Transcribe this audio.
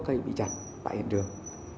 cây bị chặt tại hiện trường